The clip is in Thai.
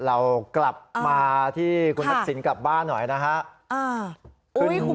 เรากลับมาที่คุณทักษิณกลับบ้านหน่อยนะฮะ